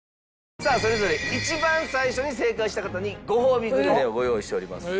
さあそれぞれ一番最初に正解した方にごほうびグルメをご用意しております。